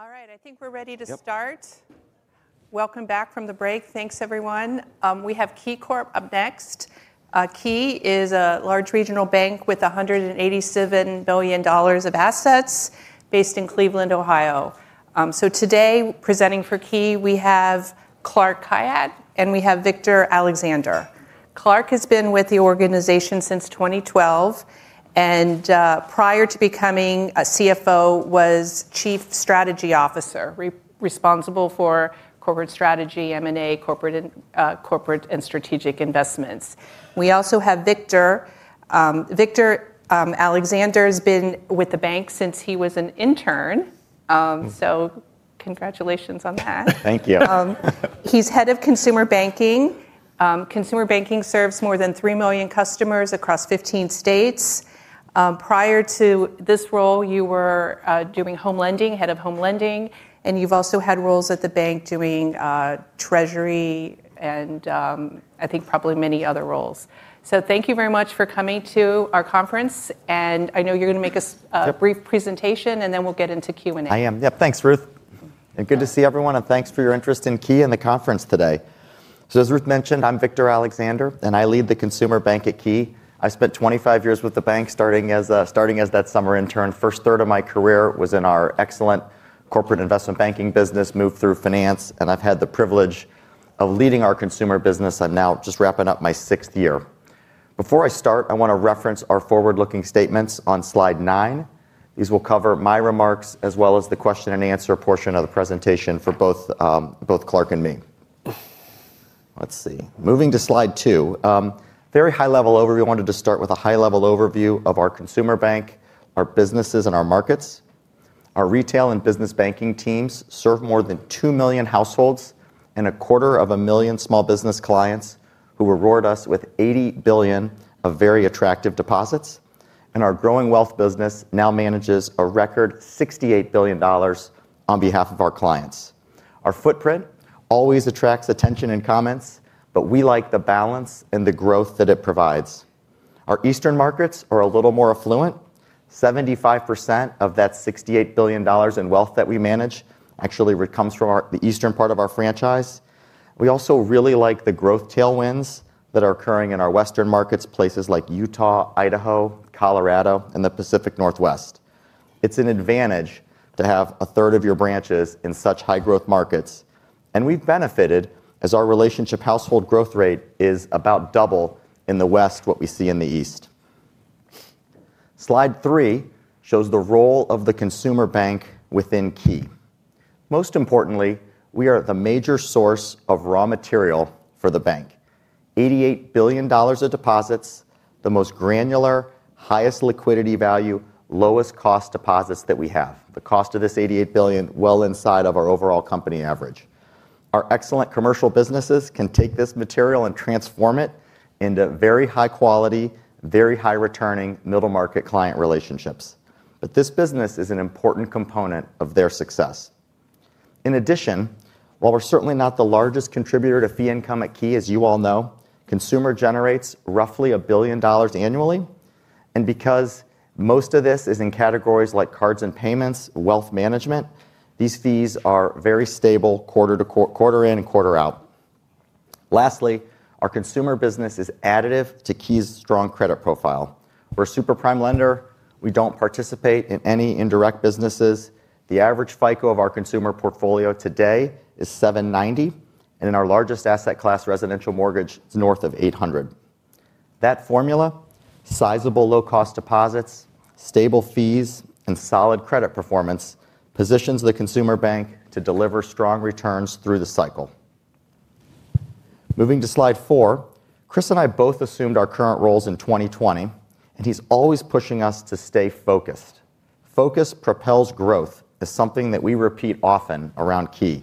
All right, I think we're ready to start. Welcome back from the break. Thanks, everyone. We have KeyCorp up next. Key is a large regional bank with $187 billion of assets based in Cleveland, Ohio. Today, presenting for Key, we have Clark Khayat and we have Victor Alexander. Clark has been with the organization since 2012. Prior to becoming CFO, he was chief strategy officer, responsible for corporate strategy, M&A, corporate and strategic investments. We also have Victor. Victor Alexander has been with the bank since he was an intern. Congratulations on that. Thank you. He's head of Consumer Banking. Consumer Banking serves more than 3 million customers across 15 states. Prior to this role, you were doing home lending, head of Home Lending, and you've also had roles at the bank doing treasury and I think probably many other roles. Thank you very much for coming to our conference. I know you're going to make a brief presentation, and then we'll get into Q&A. I am. Yep. Thanks, Ruth. Good to see everyone. Thanks for your interest in Key and the conference today. As Ruth mentioned, I'm Victor Alexander, and I lead the consumer bank at Key. I spent 25 years with the bank, starting as that summer intern. The first third of my career was in our excellent corporate investment banking business, moved through finance, and I've had the privilege of leading our consumer business. I'm now just wrapping up my sixth year. Before I start, I want to reference our forward-looking statements on slide nine. These will cover my remarks as well as the question and answer portion of the presentation for both Clark and me. Let's see. Moving to slide two. Very high-level overview. I wanted to start with a high-level overview of our consumer bank, our businesses, and our markets. Our retail and business banking teams serve more than 2 million households and a quarter of a million small business clients who reward us with $80 billion of very attractive deposits. Our growing wealth business now manages a record $68 billion on behalf of our clients. Our footprint always attracts attention and comments, but we like the balance and the growth that it provides. Our eastern markets are a little more affluent. 75% of that $68 billion in wealth that we manage actually comes from the eastern part of our franchise. We also really like the growth tailwinds that are occurring in our western markets, places like Utah, Idaho, Colorado, and the Pacific Northwest. It is an advantage to have a third of your branches in such high-growth markets. We have benefited as our relationship household growth rate is about double in the west what we see in the east. Slide three shows the role of the consumer bank within Key. Most importantly, we are the major source of raw material for the bank: $88 billion of deposits, the most granular, highest liquidity value, lowest cost deposits that we have. The cost of this $88 billion is well inside of our overall company average. Our excellent commercial businesses can take this material and transform it into very high-quality, very high-returning middle-market client relationships. This business is an important component of their success. In addition, while we're certainly not the largest contributor to fee income at Key, as you all know, consumer generates roughly $1 billion annually. Because most of this is in categories like cards and payments, wealth management, these fees are very stable quarter in and quarter out. Lastly, our consumer business is additive to Key's strong credit profile. We're a super prime lender. We do not participate in any indirect businesses. The average FICO of our consumer portfolio today is 790. In our largest asset class, residential mortgage, it is north of 800. That formula, sizable low-cost deposits, stable fees, and solid credit performance positions the consumer bank to deliver strong returns through the cycle. Moving to slide four, Chris and I both assumed our current roles in 2020, and he is always pushing us to stay focused. Focus propels growth is something that we repeat often around Key.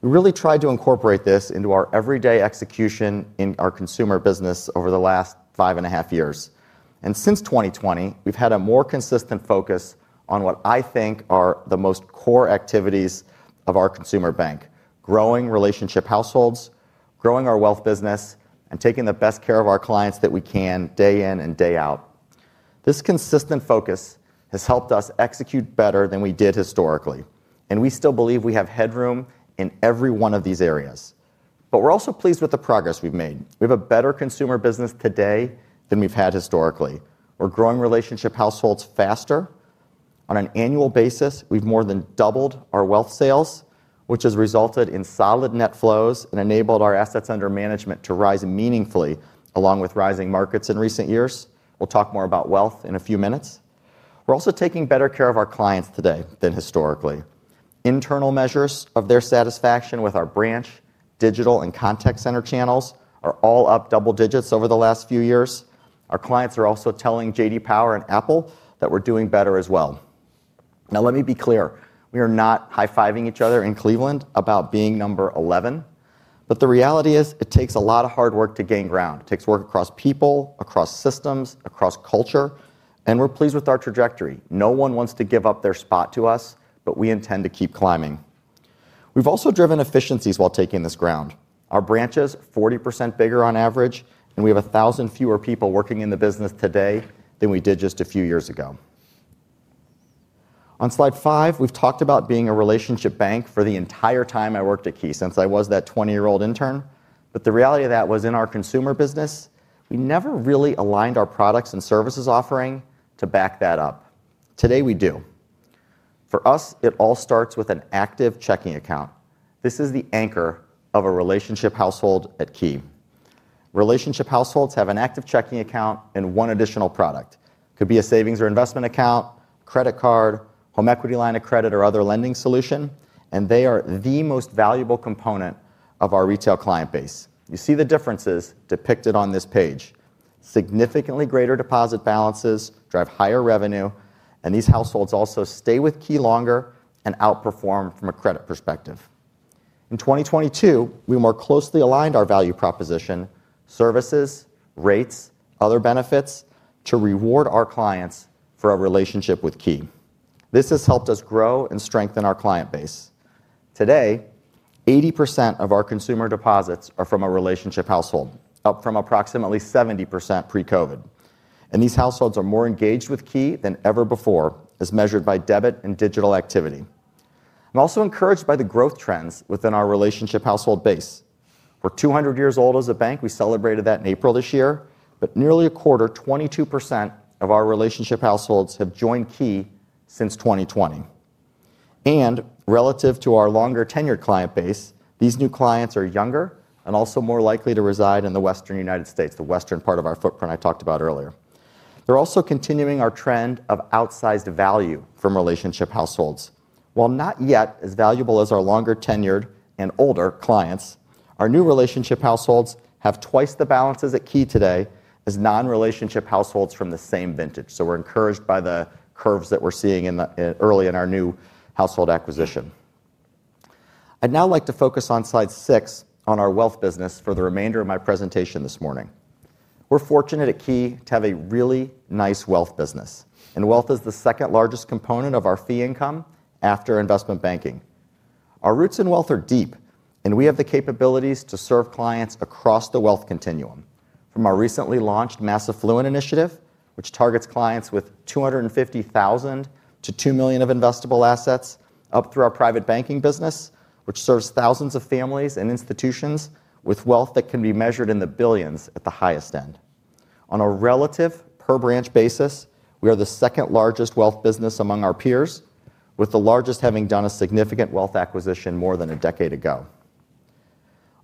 We really tried to incorporate this into our everyday execution in our consumer business over the last five and a half years. Since 2020, we've had a more consistent focus on what I think are the most core activities of our consumer bank: growing relationship households, growing our wealth business, and taking the best care of our clients that we can day in and day out. This consistent focus has helped us execute better than we did historically. We still believe we have headroom in every one of these areas. We're also pleased with the progress we've made. We have a better consumer business today than we've had historically. We're growing relationship households faster. On an annual basis, we've more than doubled our wealth sales, which has resulted in solid net flows and enabled our assets under management to rise meaningfully along with rising markets in recent years. We'll talk more about wealth in a few minutes. We're also taking better care of our clients today than historically. Internal measures of their satisfaction with our branch, digital, and contact center channels are all up double digits over the last few years. Our clients are also telling J.D. Power and Apple that we're doing better as well. Now, let me be clear. We are not high-fiving each other in Cleveland about being number 11. The reality is it takes a lot of hard work to gain ground. It takes work across people, across systems, across culture. We're pleased with our trajectory. No one wants to give up their spot to us, but we intend to keep climbing. We've also driven efficiencies while taking this ground. Our branch is 40% bigger on average, and we have 1,000 fewer people working in the business today than we did just a few years ago. On slide five, we've talked about being a relationship bank for the entire time I worked at Key since I was that 20-year-old intern. But the reality of that was in our consumer business, we never really aligned our products and services offering to back that up. Today, we do. For us, it all starts with an active checking account. This is the anchor of a relationship household at Key. Relationship households have an active checking account and one additional product. It could be a savings or investment account, credit card, home equity line of credit, or other lending solution. And they are the most valuable component of our retail client base. You see the differences depicted on this page. Significantly greater deposit balances drive higher revenue. And these households also stay with Key longer and outperform from a credit perspective. In 2022, we more closely aligned our value proposition, services, rates, and other benefits to reward our clients for our relationship with Key. This has helped us grow and strengthen our client base. Today, 80% of our consumer deposits are from a relationship household, up from approximately 70% pre-COVID. These households are more engaged with Key than ever before, as measured by debit and digital activity. I'm also encouraged by the growth trends within our relationship household base. We're 200 years old as a bank. We celebrated that in April this year. Nearly a quarter, 22% of our relationship households have joined Key since 2020. Relative to our longer-tenured client base, these new clients are younger and also more likely to reside in the Western United States, the western part of our footprint I talked about earlier. They're also continuing our trend of outsized value from relationship households. While not yet as valuable as our longer-tenured and older clients, our new relationship households have twice the balances at Key today as non-relationship households from the same vintage. We are encouraged by the curves that we're seeing early in our new household acquisition. I'd now like to focus on slide six on our wealth business for the remainder of my presentation this morning. We are fortunate at Key to have a really nice wealth business. Wealth is the second largest component of our fee income after investment banking. Our roots in wealth are deep, and we have the capabilities to serve clients across the wealth continuum. From our recently launched mass affluent initiative, which targets clients with $250,000-$2 million of investable assets, up through our private banking business, which serves thousands of families and institutions with wealth that can be measured in the billions at the highest end. On a relative per-branch basis, we are the second largest wealth business among our peers, with the largest having done a significant wealth acquisition more than a decade ago.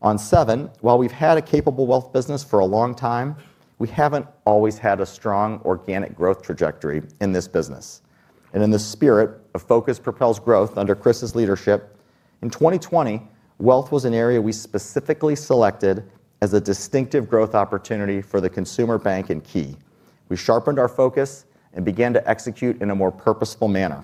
On seven, while we've had a capable wealth business for a long time, we haven't always had a strong organic growth trajectory in this business. In the spirit of focus propels growth under Chris's leadership, in 2020, wealth was an area we specifically selected as a distinctive growth opportunity for the consumer bank in Key. We sharpened our focus and began to execute in a more purposeful manner.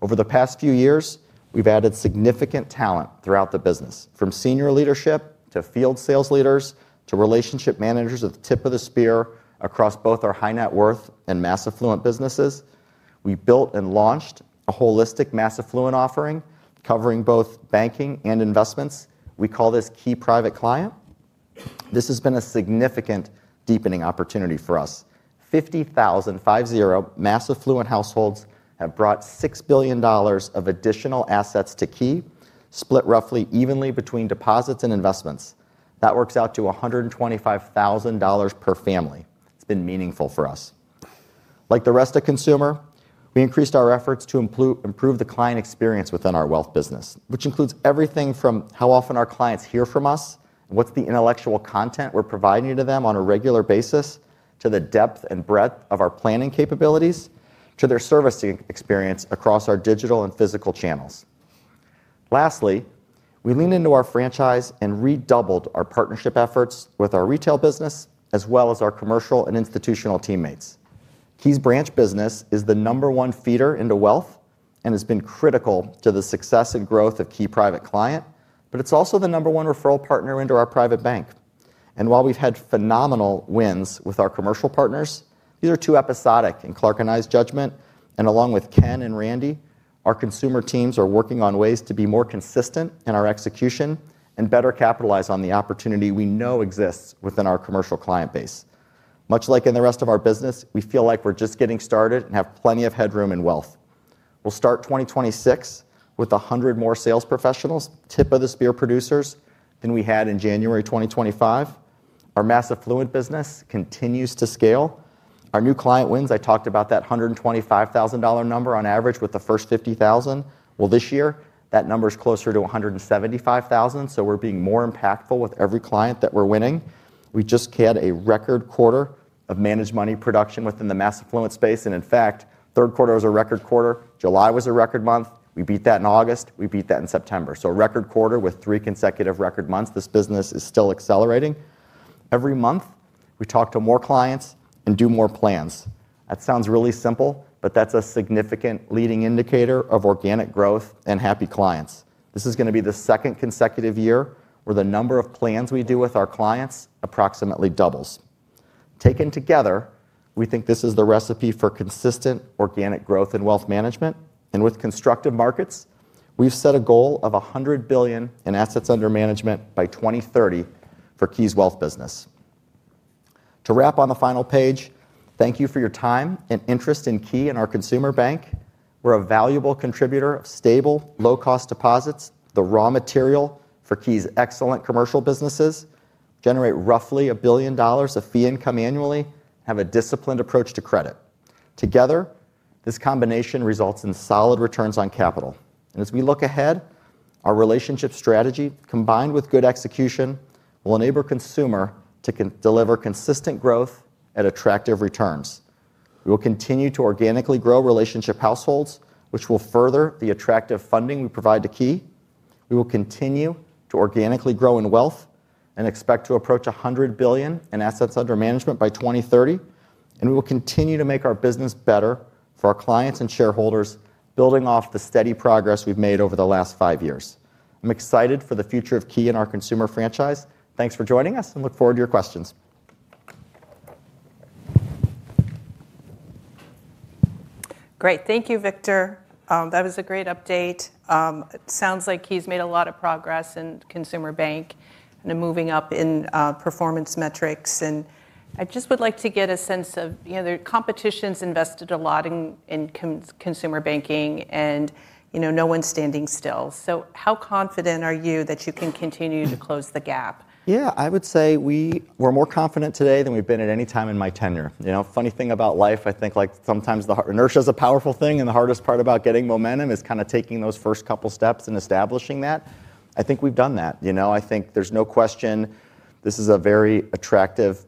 Over the past few years, we've added significant talent throughout the business, from senior leadership to field sales leaders to relationship managers at the tip of the spear across both our high net worth and mass affluent businesses. We built and launched a holistic mass affluent offering covering both banking and investments. We call this Key Private Client. This has been a significant deepening opportunity for us. 50,000 mass affluent households have brought $6 billion of additional assets to Key, split roughly evenly between deposits and investments. That works out to $125,000 per family. It's been meaningful for us. Like the rest of consumer, we increased our efforts to improve the client experience within our wealth business, which includes everything from how often our clients hear from us and what's the intellectual content we're providing to them on a regular basis, to the depth and breadth of our planning capabilities, to their service experience across our digital and physical channels. Lastly, we leaned into our franchise and redoubled our partnership efforts with our retail business as well as our commercial and institutional teammates. Key's branch business is the number one feeder into wealth and has been critical to the success and growth of Key Private Client. It is also the number one referral partner into our private bank. While we've had phenomenal wins with our commercial partners, these are too episodic in Clark and I's judgment. Along with Ken and Randy, our consumer teams are working on ways to be more consistent in our execution and better capitalize on the opportunity we know exists within our commercial client base. Much like in the rest of our business, we feel like we're just getting started and have plenty of headroom in wealth. We'll start 2026 with 100 more sales professionals, tip of the spear producers, than we had in January 2025. Our mass affluent business continues to scale. Our new client wins, I talked about that $125,000 number on average with the first 50,000. This year, that number is closer to $175,000. We are being more impactful with every client that we're winning. We just had a record quarter of managed money production within the mass affluent space. In fact, third quarter was a record quarter. July was a record month. We beat that in August. We beat that in September. A record quarter with three consecutive record months. This business is still accelerating. Every month, we talk to more clients and do more plans. That sounds really simple, but that is a significant leading indicator of organic growth and happy clients. This is going to be the second consecutive year where the number of plans we do with our clients approximately doubles. Taken together, we think this is the recipe for consistent organic growth and wealth management. With constructive markets, we have set a goal of $100 billion in assets under management by 2030 for Key's wealth business. To wrap on the final page, thank you for your time and interest in Key and our consumer bank. We're a valuable contributor of stable, low-cost deposits, the raw material for Key's excellent commercial businesses, generate roughly $1 billion of fee income annually, and have a disciplined approach to credit. Together, this combination results in solid returns on capital. As we look ahead, our relationship strategy, combined with good execution, will enable consumer to deliver consistent growth at attractive returns. We will continue to organically grow relationship households, which will further the attractive funding we provide to Key. We will continue to organically grow in wealth and expect to approach $100 billion in assets under management by 2030. We will continue to make our business better for our clients and shareholders, building off the steady progress we've made over the last five years. I'm excited for the future of Key and our consumer franchise. Thanks for joining us, and look forward to your questions. Great. Thank you, Victor. That was a great update. It sounds like he's made a lot of progress in consumer bank and moving up in performance metrics. I just would like to get a sense of the competition's invested a lot in consumer banking, and no one's standing still. How confident are you that you can continue to close the gap? Yeah, I would say we're more confident today than we've been at any time in my tenure. Funny thing about life, I think sometimes inertia is a powerful thing. The hardest part about getting momentum is kind of taking those first couple of steps and establishing that. I think we've done that. I think there's no question this is a very attractive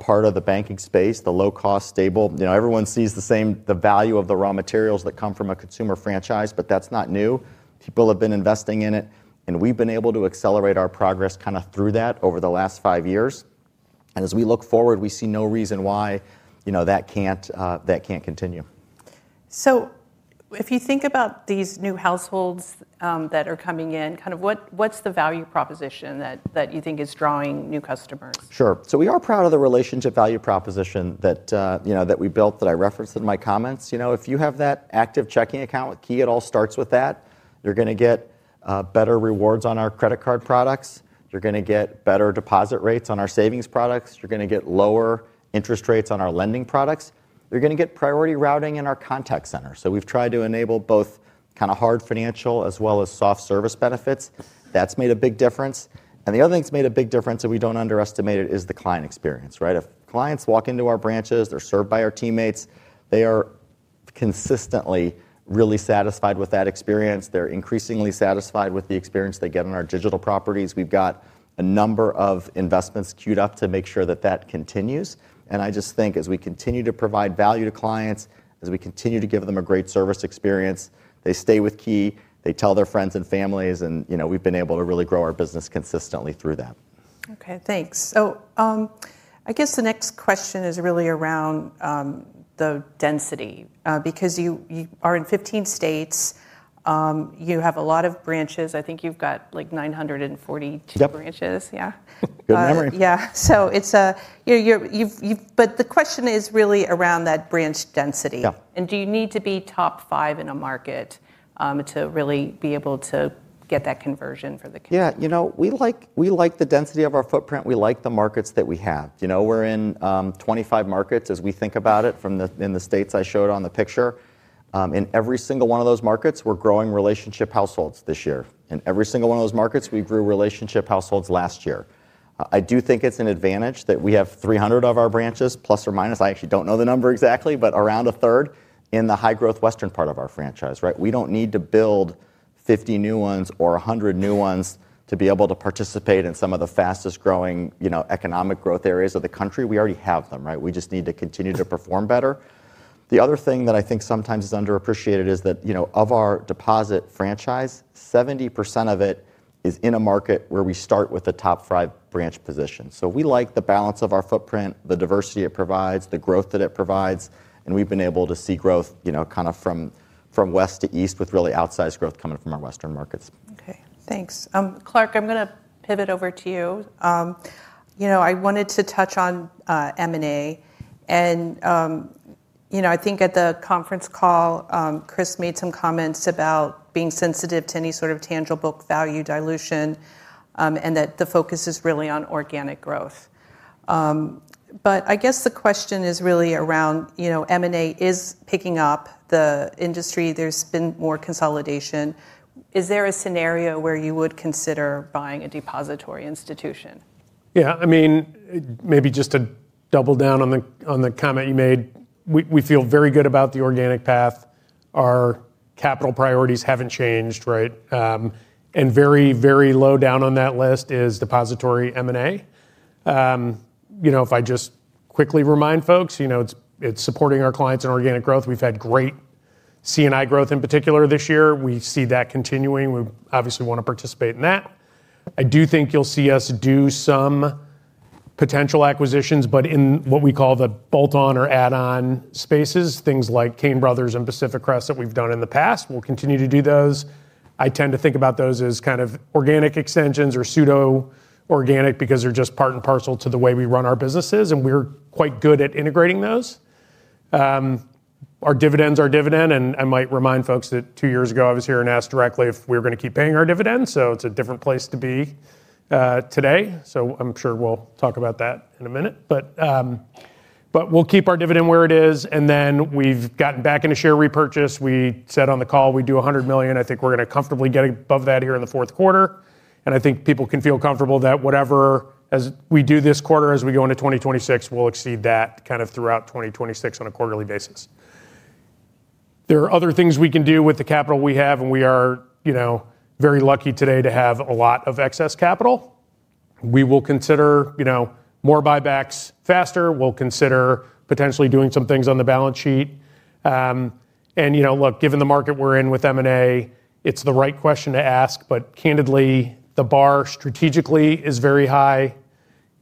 part of the banking space, the low-cost, stable. Everyone sees the value of the raw materials that come from a consumer franchise, but that's not new. People have been investing in it. We've been able to accelerate our progress kind of through that over the last five years. As we look forward, we see no reason why that can't continue. If you think about these new households that are coming in, kind of what's the value proposition that you think is drawing new customers? Sure. We are proud of the relationship value proposition that we built that I referenced in my comments. If you have that active checking account with Key, it all starts with that. You're going to get better rewards on our credit card products. You're going to get better deposit rates on our savings products. You're going to get lower interest rates on our lending products. You're going to get priority routing in our contact center. We’ve tried to enable both kind of hard financial as well as soft service benefits. That’s made a big difference. The other thing that’s made a big difference, and we don’t underestimate it, is the client experience. If clients walk into our branches, they’re served by our teammates, they are consistently really satisfied with that experience. They’re increasingly satisfied with the experience they get on our digital properties. We’ve got a number of investments queued up to make sure that that continues. I just think as we continue to provide value to clients, as we continue to give them a great service experience, they stay with Key, they tell their friends and families, and we’ve been able to really grow our business consistently through that. Okay, thanks. I guess the next question is really around. The density. Because you are in 15 states, you have a lot of branches. I think you've got like 942 branches. Yeah. Good memory. Yeah. The question is really around that branch density. Do you need to be top five in a market to really be able to get that conversion for the Key? Yeah. We like the density of our footprint. We like the markets that we have. We're in 25 markets as we think about it from the states I showed on the picture. In every single one of those markets, we're growing relationship households this year. In every single one of those markets, we grew relationship households last year. I do think it's an advantage that we have 300 of our branches, plus or minus. I actually don't know the number exactly, but around 1/3 in the high-growth western part of our franchise. We don't need to build 50 new ones or 100 new ones to be able to participate in some of the fastest-growing economic growth areas of the country. We already have them. We just need to continue to perform better. The other thing that I think sometimes is underappreciated is that of our deposit franchise, 70% of it is in a market where we start with the top five branch position. We like the balance of our footprint, the diversity it provides, the growth that it provides. We've been able to see growth kind of from west to east with really outsized growth coming from our western markets. Okay, thanks. Clark, I'm going to pivot over to you. I wanted to touch on M&A and I think at the conference call, Chris made some comments about being sensitive to any sort of tangible value dilution and that the focus is really on organic growth. I guess the question is really around M&A is picking up the industry. There's been more consolidation. Is there a scenario where you would consider buying a depository institution? Yeah. I mean, maybe just to double down on the comment you made, we feel very good about the organic path. Our capital priorities haven't changed. Very, very low down on that list is depository M&A. If I just quickly remind folks, it's supporting our clients in organic growth. We've had great C&I growth in particular this year. We see that continuing. We obviously want to participate in that. I do think you'll see us do some potential acquisitions, but in what we call the bolt-on or add-on spaces, things like Cain Brothers and Pacific Crest that we've done in the past. We'll continue to do those. I tend to think about those as kind of organic extensions or pseudo organic because they're just part and parcel to the way we run our businesses. And we're quite good at integrating those. Our dividends are dividend. I might remind folks that two years ago, I was here and asked directly if we were going to keep paying our dividends. It is a different place to be today. I am sure we'll talk about that in a minute. We'll keep our dividend where it is. We've gotten back into share repurchase. We said on the call, we do $100 million. I think we're going to comfortably get above that here in the fourth quarter. I think people can feel comfortable that whatever we do this quarter, as we go into 2026, we'll exceed that kind of throughout 2026 on a quarterly basis. There are other things we can do with the capital we have. We are very lucky today to have a lot of excess capital. We will consider more buybacks faster. We'll consider potentially doing some things on the balance sheet. Look, given the market we're in with M&A, it's the right question to ask. Candidly, the bar strategically is very high.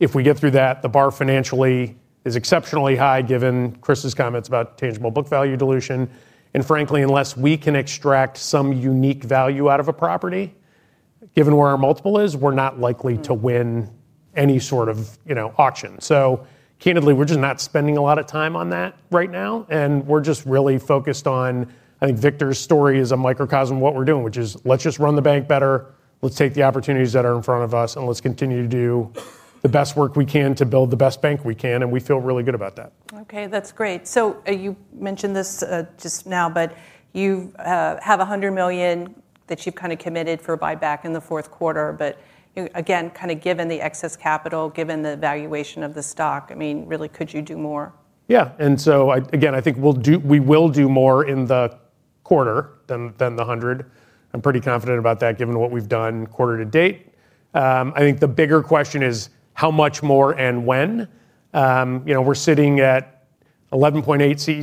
If we get through that, the bar financially is exceptionally high, given Chris's comments about tangible book value dilution. Frankly, unless we can extract some unique value out of a property, given where our multiple is, we're not likely to win any sort of auction. Candidly, we're just not spending a lot of time on that right now. We're just really focused on, I think Victor's story is a microcosm of what we're doing, which is let's just run the bank better. Let's take the opportunities that are in front of us. Let's continue to do the best work we can to build the best bank we can. We feel really good about that. Okay, that's great. You mentioned this just now, but you have $100 million that you've kind of committed for buyback in the fourth quarter. Again, kind of given the excess capital, given the valuation of the stock, I mean, really, could you do more? Yeah. Again, I think we will do more in the quarter than the $100 million. I'm pretty confident about that, given what we've done quarter to date. I think the bigger question is how much more and when. We're sitting at 11.8%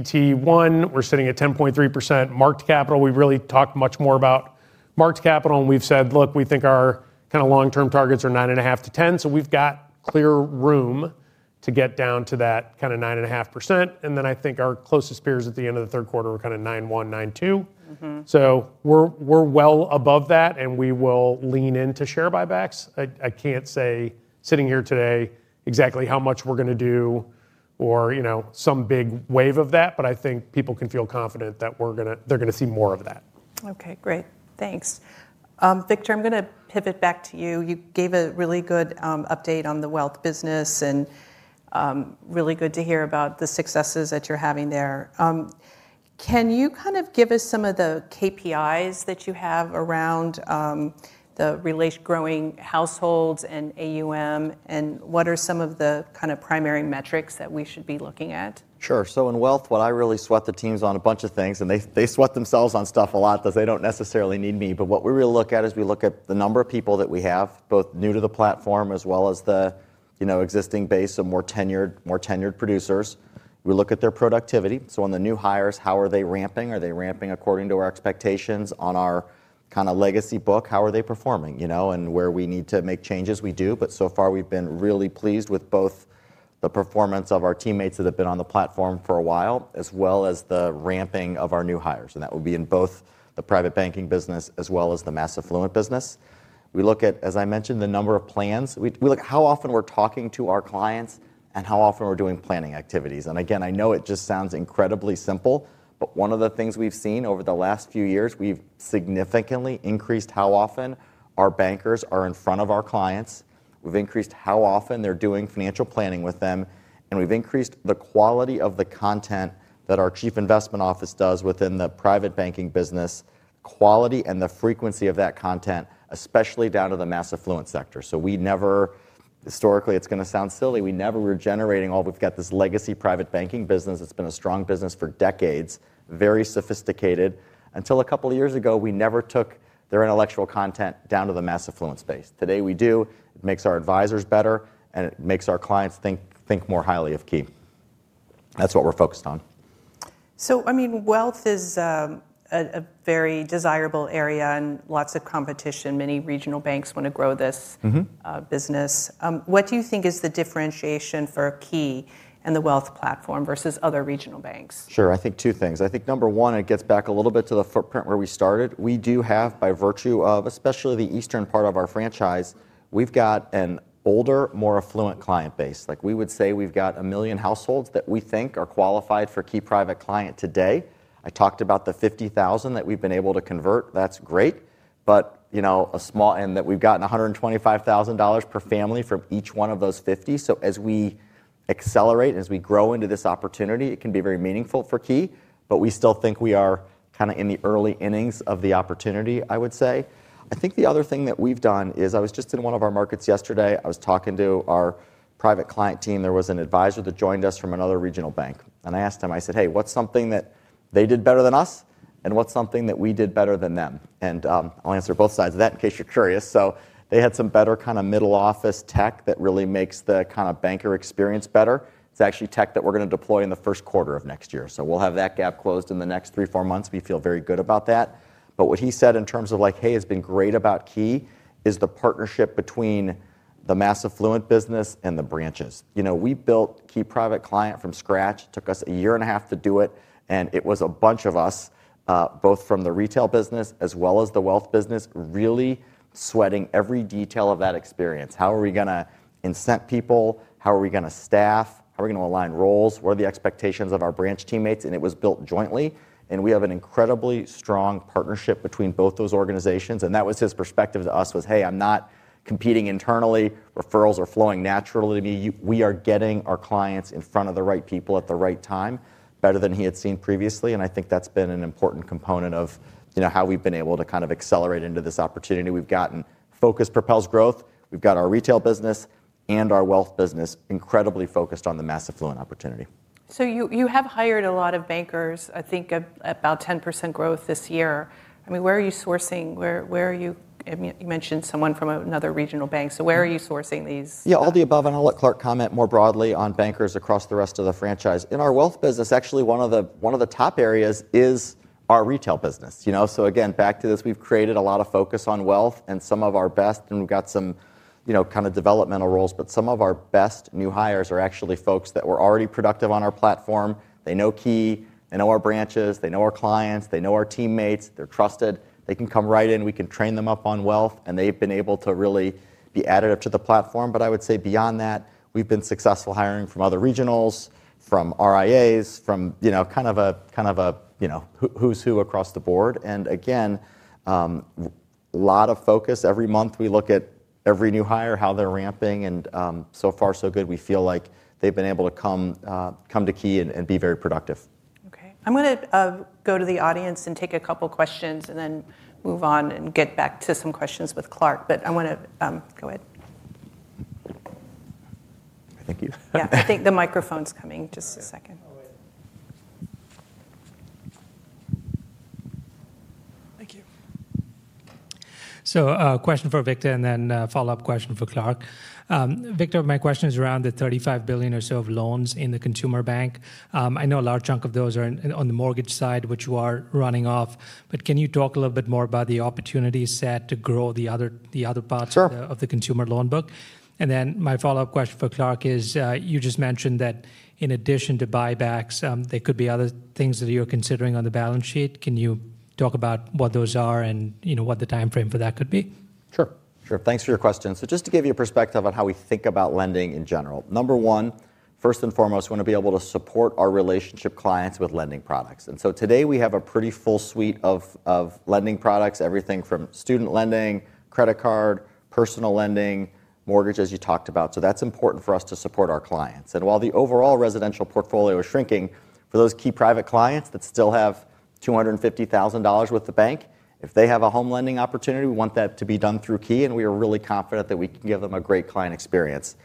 CET1. We're sitting at 10.3% marked capital. We've really talked much more about marked capital. And we've said, look, we think our kind of long-term targets are 9.5%-10%. So we've got clear room to get down to that kind of 9.5%. And then I think our closest peers at the end of the third quarter were kind of 9.1%, 9.2%. So we're well above that. And we will lean into share buybacks. I can't say sitting here today exactly how much we're going to do or. Some big wave of that. But I think people can feel confident that they're going to see more of that. Okay, great. Thanks. Victor, I'm going to pivot back to you. You gave a really good update on the wealth business. And. Really good to hear about the successes that you're having there. Can you kind of give us some of the KPIs that you have around the growing households and AUM? What are some of the kind of primary metrics that we should be looking at? Sure. In wealth, what I really sweat the team's on is a bunch of things. They sweat themselves on stuff a lot because they don't necessarily need me. What we really look at is we look at the number of people that we have, both new to the platform as well as the existing base of more tenured producers. We look at their productivity. On the new hires, how are they ramping? Are they ramping according to our expectations? On our kind of legacy book, how are they performing? Where we need to make changes, we do. So far, we've been really pleased with both the performance of our teammates that have been on the platform for a while, as well as the ramping of our new hires. That would be in both the private banking business as well as the mass affluent business. We look at, as I mentioned, the number of plans. We look at how often we're talking to our clients and how often we're doing planning activities. Again, I know it just sounds incredibly simple. One of the things we've seen over the last few years, we've significantly increased how often our bankers are in front of our clients. We've increased how often they're doing financial planning with them. We've increased the quality of the content that our chief investment office does within the private banking business. Quality and the frequency of that content, especially down to the mass affluent sector. Historically, it's going to sound silly. We never were generating all—we've got this legacy private banking business. It's been a strong business for decades, very sophisticated. Until a couple of years ago, we never took their intellectual content down to the mass affluent space. Today we do. It makes our advisors better, and it makes our clients think more highly of Key. That's what we're focused on. I mean, wealth is a very desirable area and lots of competition. Many regional banks want to grow this business. What do you think is the differentiation for Key and the wealth platform versus other regional banks? Sure. I think two things. I think number one, it gets back a little bit to the footprint where we started. We do have, by virtue of especially the eastern part of our franchise, we've got an older, more affluent client base. We would say we've got a million households that we think are qualified for Key Private Client today. I talked about the 50,000 that we've been able to convert. That's great. A small end that we've gotten $125,000 per family from each one of those 50. As we accelerate and as we grow into this opportunity, it can be very meaningful for Key. We still think we are kind of in the early innings of the opportunity, I would say. I think the other thing that we've done is I was just in one of our markets yesterday. I was talking to our private client team. There was an advisor that joined us from another regional bank. I asked him, I said, "Hey, what's something that they did better than us? And what's something that we did better than them?" I'll answer both sides of that in case you're curious. They had some better kind of middle office tech that really makes the kind of banker experience better. It's actually tech that we're going to deploy in the first quarter of next year. We'll have that gap closed in the next three to four months. We feel very good about that. What he said in terms of like, "Hey, what's been great about Key," is the partnership between the mass affluent business and the branches. We built Key Private Client from scratch. It took us a year and a half to do it. It was a bunch of us, both from the retail business as well as the wealth business, really sweating every detail of that experience. How are we going to incent people? How are we going to staff? How are we going to align roles? What are the expectations of our branch teammates? It was built jointly. We have an incredibly strong partnership between both those organizations. That was his perspective to us: "Hey, I'm not competing internally. Referrals are flowing naturally to me. We are getting our clients in front of the right people at the right time better than he had seen previously." I think that has been an important component of how we have been able to kind of accelerate into this opportunity. We have gotten focus propels growth. We have our retail business and our wealth business incredibly focused on the mass affluent opportunity. You have hired a lot of bankers, I think about 10% growth this year. I mean, where are you sourcing? You mentioned someone from another regional bank. Where are you sourcing these? Yeah, all the above. I'll let Clark comment more broadly on bankers across the rest of the franchise. In our wealth business, actually, one of the top areas is our retail business. Again, back to this, we've created a lot of focus on wealth and some of our best. We've got some kind of developmental roles, but some of our best new hires are actually folks that were already productive on our platform. They know Key. They know our branches. They know our clients. They know our teammates. They're trusted. They can come right in. We can train them up on wealth. They've been able to really be added up to the platform. I would say beyond that, we've been successful hiring from other regionals, from RIAs, from kind of a who's who across the board. Again, a lot of focus. Every month, we look at every new hire, how they're ramping. So far, so good. We feel like they've been able to come to Key and be very productive. Okay. I'm going to go to the audience and take a couple of questions and then move on and get back to some questions with Clark. I want to go ahead. Thank you. Yeah, I think the microphone's coming. Just a second. Thank you. A question for Victor and then a follow-up question for Clark. Victor, my question is around the $35 billion or so of loans in the consumer bank. I know a large chunk of those are on the mortgage side, which you are running off. Can you talk a little bit more about the opportunity set to grow the other parts of the consumer loan book? My follow-up question for Clark is, you just mentioned that in addition to buybacks, there could be other things that you're considering on the balance sheet. Can you talk about what those are and what the timeframe for that could be? Sure. Sure. Thanks for your question. Just to give you a perspective on how we think about lending in general. Number one, first and foremost, we want to be able to support our relationship clients with lending products. Today, we have a pretty full suite of lending products, everything from student lending, credit card, personal lending, mortgage, as you talked about. That is important for us to support our clients. While the overall residential portfolio is shrinking, for those Key Private clients that still have $250,000 with the bank, if they have a home lending opportunity, we want that to be done through Key. We are really confident that we can give them a great client experience.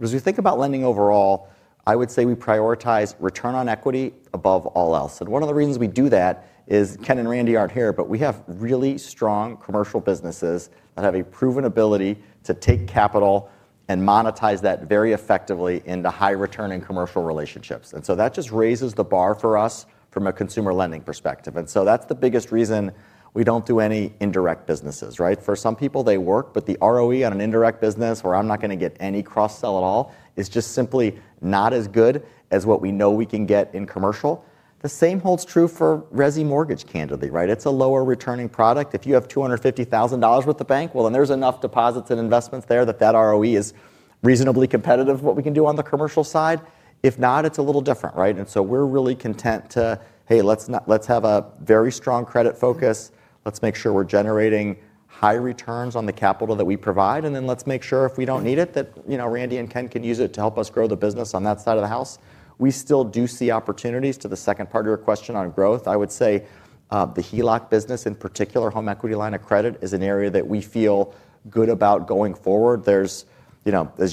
As we think about lending overall, I would say we prioritize return on equity above all else. One of the reasons we do that is Ken and Randy are not here, but we have really strong commercial businesses that have a proven ability to take capital and monetize that very effectively into high-returning commercial relationships. That just raises the bar for us from a consumer lending perspective. That is the biggest reason we do not do any indirect businesses, right? For some people, they work. The ROE on an indirect business where I'm not going to get any cross-sell at all is just simply not as good as what we know we can get in commercial. The same holds true for resi mortgage, candidly, right? It's a lower-returning product. If you have $250,000 with the bank, there's enough deposits and investments there that that ROE is reasonably competitive with what we can do on the commercial side. If not, it's a little different, right? We're really content to, hey, let's have a very strong credit focus. Let's make sure we're generating high returns on the capital that we provide. Let's make sure if we don't need it, that Randy and Ken can use it to help us grow the business on that side of the house. We still do see opportunities. To the second part of your question on growth, I would say the HELOC business, in particular, home equity line of credit, is an area that we feel good about going forward. As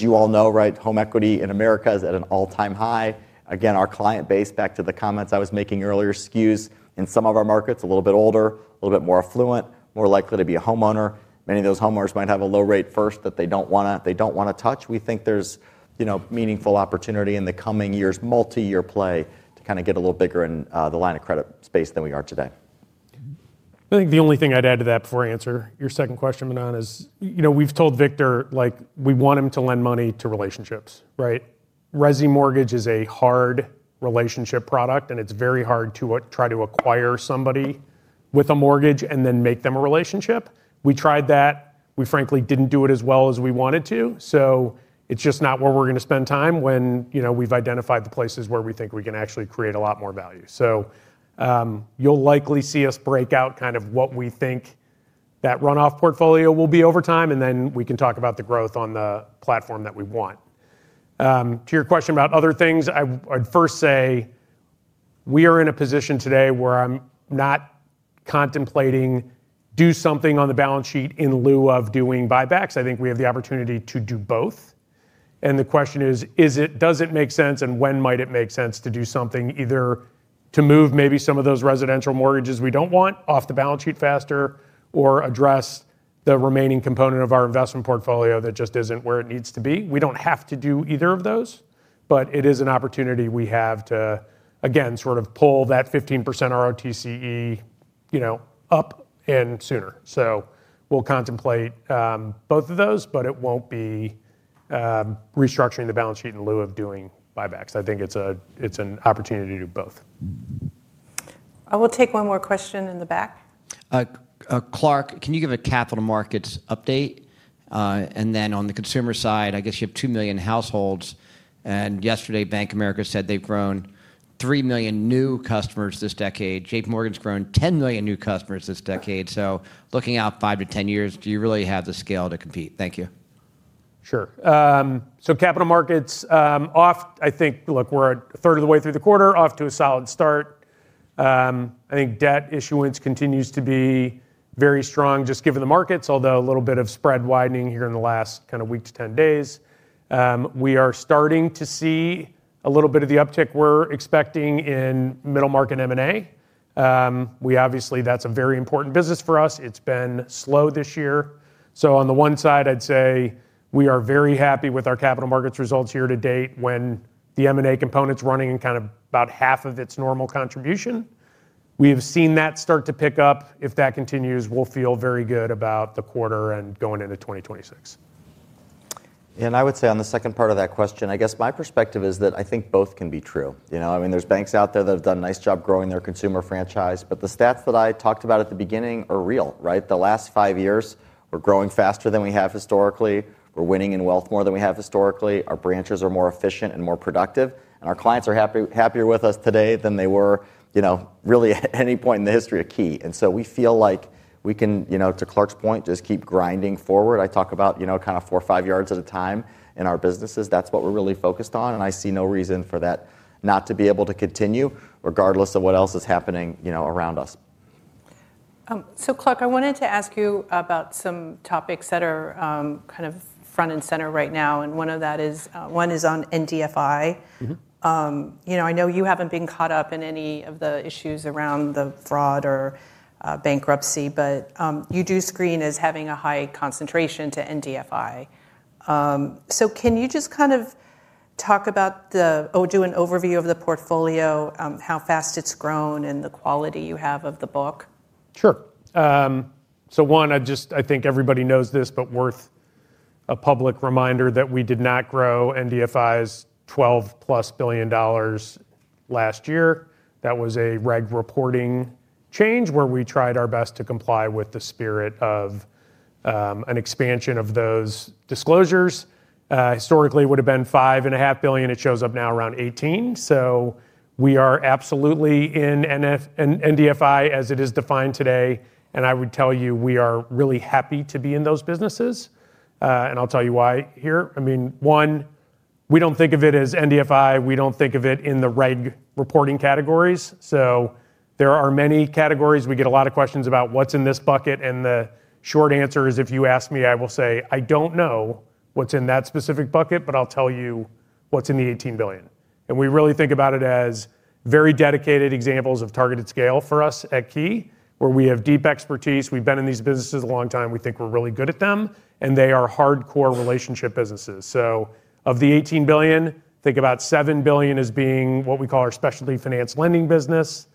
you all know, right, home equity in America is at an all-time high. Again, our client base, back to the comments I was making earlier, skews in some of our markets, a little bit older, a little bit more affluent, more likely to be a homeowner. Many of those homeowners might have a low rate first that they do not want to touch. We think there is meaningful opportunity in the coming years, multi-year play, to kind of get a little bigger in the line of credit space than we are today. I think the only thing I'd add to that before I answer your second question, Manan, is we've told Victor we want him to lend money to relationships, right? Resi Mortgage is a hard relationship product. It's very hard to try to acquire somebody with a mortgage and then make them a relationship. We tried that. We, frankly, didn't do it as well as we wanted to. It's just not where we're going to spend time when we've identified the places where we think we can actually create a lot more value. You'll likely see us break out kind of what we think that runoff portfolio will be over time. Then we can talk about the growth on the platform that we want. To your question about other things, I'd first say we are in a position today where I'm not. Contemplating doing something on the balance sheet in lieu of doing buybacks. I think we have the opportunity to do both. The question is, does it make sense and when might it make sense to do something, either to move maybe some of those residential mortgages we do not want off the balance sheet faster or address the remaining component of our investment portfolio that just is not where it needs to be? We do not have to do either of those. It is an opportunity we have to, again, sort of pull that 15% ROTCE up and sooner. We will contemplate both of those. It will not be restructuring the balance sheet in lieu of doing buybacks. I think it is an opportunity to do both. I will take one more question in the back. Clark, can you give a capital markets update? On the consumer side, I guess you have 2 million households. Yesterday, Bank of America said they've grown 3 million new customers this decade. JPMorgan's grown 10 million new customers this decade. Looking out five to 10 years, do you really have the scale to compete? Thank you. Sure. Capital markets, I think, look, we're a third of the way through the quarter, off to a solid start. I think debt issuance continues to be very strong just given the markets, although a little bit of spread widening here in the last week to 10 days. We are starting to see a little bit of the uptick we're expecting in middle market M&A. Obviously, that's a very important business for us. It's been slow this year. On the one side, I'd say we are very happy with our capital markets results year to date when the M&A component's running in kind of about half of its normal contribution. We have seen that start to pick up. If that continues, we'll feel very good about the quarter and going into 2026. I would say on the second part of that question, I guess my perspective is that I think both can be true. I mean, there's banks out there that have done a nice job growing their consumer franchise. The stats that I talked about at the beginning are real, right? The last five years, we're growing faster than we have historically. We're winning in wealth more than we have historically. Our branches are more efficient and more productive. Our clients are happier with us today than they were really at any point in the history of Key. We feel like we can, to Clark's point, just keep grinding forward. I talk about kind of four or five yards at a time in our businesses. That is what we are really focused on. I see no reason for that not to be able to continue, regardless of what else is happening around us. Clark, I wanted to ask you about some topics that are kind of front and center right now. One of those is on NDFI. I know you have not been caught up in any of the issues around the fraud or bankruptcy. You do screen as having a high concentration to NDFI. Can you just kind of talk about the, or do an overview of the portfolio, how fast it's grown, and the quality you have of the book? Sure. One, I think everybody knows this, but worth a public reminder that we did not grow NDFI's $12+ billion last year. That was a reg reporting change where we tried our best to comply with the spirit of an expansion of those disclosures. Historically, it would have been $5.5 billion. It shows up now around $18 billion. We are absolutely in NDFI as it is defined today. I would tell you, we are really happy to be in those businesses, and I'll tell you why here. I mean, one, we do not think of it as NDFI. We do not think of it in the reg reporting categories. There are many categories. We get a lot of questions about what's in this bucket. The short answer is, if you ask me, I will say, I don't know what's in that specific bucket. I'll tell you what's in the $18 billion. We really think about it as very dedicated examples of targeted scale for us at Key, where we have deep expertise. We've been in these businesses a long time. We think we're really good at them. They are hardcore relationship businesses. Of the $18 billion, think about $7 billion as being what we call our specialty finance lending business.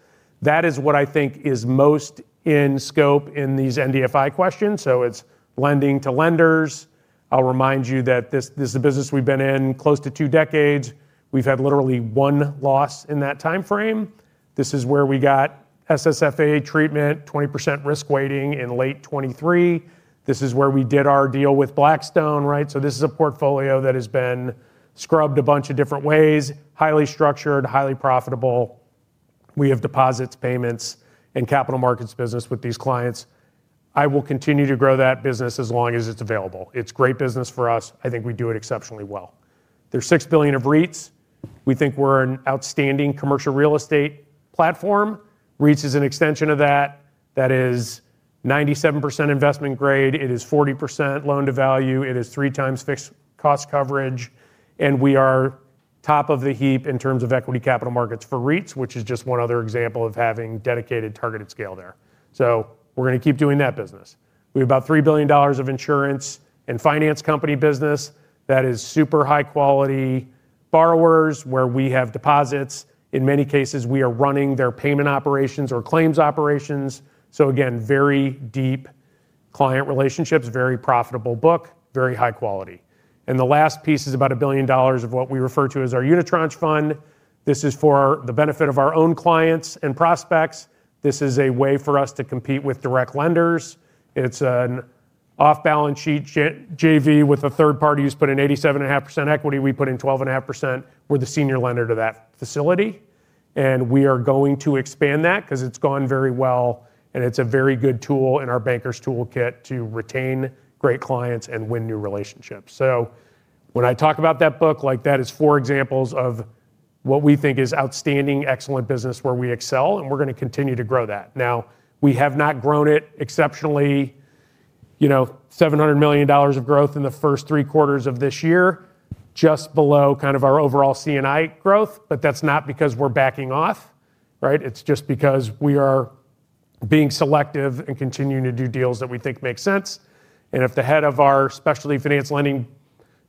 That is what I think is most in scope in these NDFI questions. It is lending to lenders. I'll remind you that this is a business we've been in close to two decades. We've had literally one loss in that timeframe. This is where we got SSFA treatment, 20% risk weighting in late 2023. This is where we did our deal with Blackstone, right? So this is a portfolio that has been scrubbed a bunch of different ways, highly structured, highly profitable. We have deposits, payments, and capital markets business with these clients. I will continue to grow that business as long as it's available. It's great business for us. I think we do it exceptionally well. There's $6 billion of REITs. We think we're an outstanding commercial real estate platform. REITs is an extension of that. That is 97% investment grade. It is 40% loan to value. It is three times fixed cost coverage. We are top of the heap in terms of equity capital markets for REITs, which is just one other example of having dedicated targeted scale there. We are going to keep doing that business. We have about $3 billion of insurance and finance company business that is super high quality borrowers where we have deposits. In many cases, we are running their payment operations or claims operations. Again, very deep client relationships, very profitable book, very high quality. The last piece is about $1 billion of what we refer to as our Unitranche fund. This is for the benefit of our own clients and prospects. This is a way for us to compete with direct lenders. It is an off-balance sheet JV with a third party who has put in 87.5% equity. We put in 12.5%. We are the senior lender to that facility. We are going to expand that because it has gone very well. It is a very good tool in our bankers' toolkit to retain great clients and win new relationships. When I talk about that book, like that is four examples of what we think is outstanding, excellent business where we excel. We are going to continue to grow that. We have not grown it exceptionally. $700 million of growth in the first three quarters of this year, just below kind of our overall C&I growth. That is not because we are backing off, right? It is just because we are being selective and continuing to do deals that we think make sense. If the head of our specialty finance lending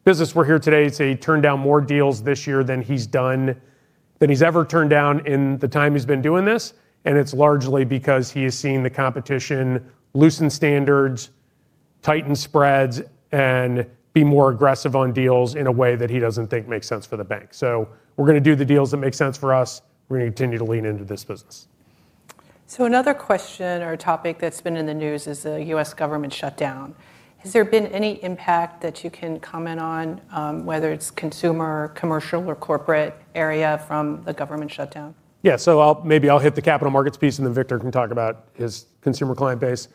business were here today, he would tell you he has turned down more deals this year than he has ever turned down in the time he has been doing this. It is largely because he has seen the competition loosen standards, tighten spreads, and be more aggressive on deals in a way that he does not think makes sense for the bank. We're going to do the deals that make sense for us. We're going to continue to lean into this business. Another question or topic that's been in the news is the U.S. government shutdown. Has there been any impact that you can comment on, whether it's consumer, commercial, or corporate area from the government shutdown? Yeah. Maybe I'll hit the capital markets piece. Then Victor can talk about his consumer client base.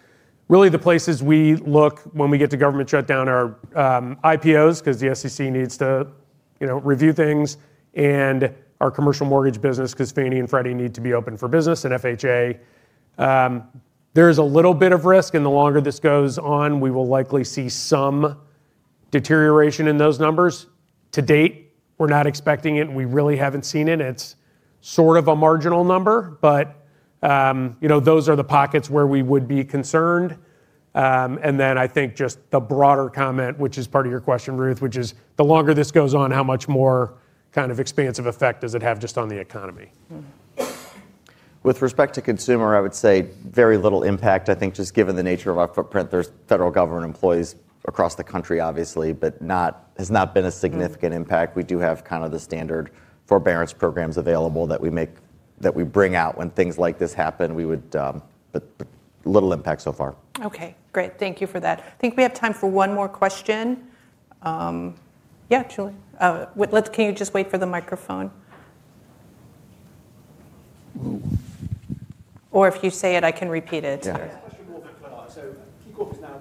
Really, the places we look when we get to government shutdown are IPOs because the SEC needs to review things and our commercial mortgage business because Fannie and Freddie need to be open for business and FHA. There is a little bit of risk. The longer this goes on, we will likely see some deterioration in those numbers. To date, we're not expecting it. We really haven't seen it. It's sort of a marginal number. Those are the pockets where we would be concerned. I think just the broader comment, which is part of your question, Ruth, which is the longer this goes on, how much more kind of expansive effect does it have just on the economy? With respect to consumer, I would say very little impact. I think just given the nature of our footprint, there are federal government employees across the country, obviously, but it has not been a significant impact. We do have kind of the standard forbearance programs available that we bring out when things like this happen. Little impact so far. Okay. Great. Thank you for that. I think we have time for one more question. Yeah. Can you just wait for the microphone? Or if you say it, I can repeat it. Yeah. I have a question more about (QAR). KeyCorp is now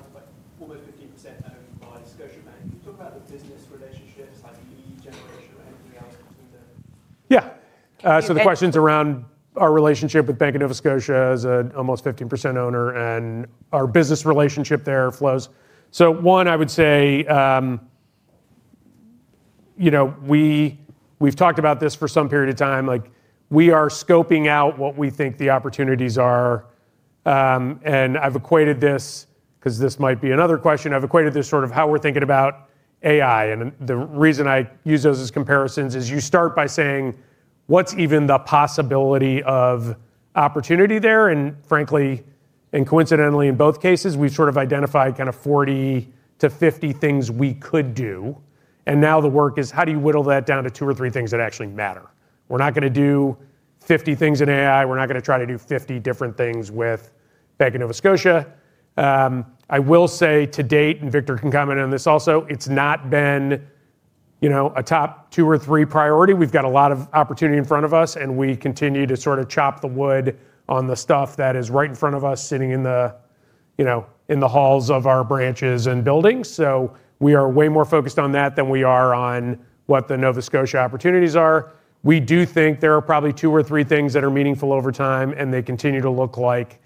almost 15% owned by Scotiabank. Can you talk about the business relationships, like lead generation or anything else between them? Yeah. The question is around our relationship with Bank of Nova Scotia as an almost 15% owner and our business relationship there flows. One, I would say, we've talked about this for some period of time. We are scoping out what we think the opportunities are. I've equated this, because this might be another question, I've equated this to sort of how we're thinking about AI. The reason I use those as comparisons is you start by saying, what's even the possibility of opportunity there? Frankly, and coincidentally, in both cases, we've sort of identified kind of 40-50 things we could do. Now the work is, how do you whittle that down to two or three things that actually matter? We're not going to do 50 things in AI. We're not going to try to do 50 different things with Bank of Nova Scotia. I will say to date, and Victor can comment on this also, it's not been a top two or three priority. We've got a lot of opportunity in front of us. We continue to sort of chop the wood on the stuff that is right in front of us sitting in the halls of our branches and buildings. We are way more focused on that than we are on what the Nova Scotia opportunities are. We do think there are probably two or three things that are meaningful over time. They continue to look like.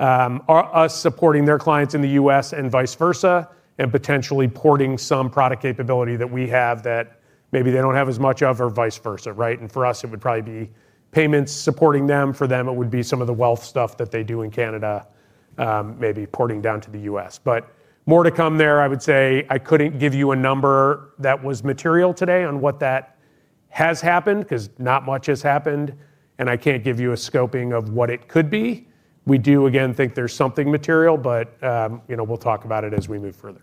Us supporting their clients in the U.S. and vice versa and potentially porting some product capability that we have that maybe they do not have as much of or vice versa, right? For us, it would probably be payments supporting them. For them, it would be some of the wealth stuff that they do in Canada, maybe porting down to the U.S. More to come there, I would say. I could not give you a number that was material today on what that has happened because not much has happened. I cannot give you a scoping of what it could be. We do, again, think there is something material. We will talk about it as we move further.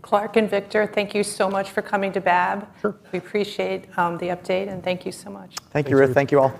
Clark and Victor, thank you so much for coming to BABB. We appreciate the update. Thank you so much. Thank you, Ruth. Thank you all.